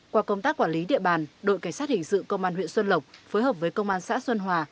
qua công tác quản lý địa bàn đội cảnh sát hình sự công an huyện xuân lộc phối hợp với công an xã xuân hòa